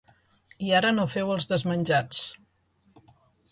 I ara no feu els desmenjats.